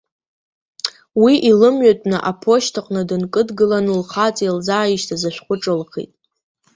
Уи илымҩатәны аԥошьҭаҟны дынкыдгылан лхаҵа илзааишьҭыз ашәҟәы ҿылхит.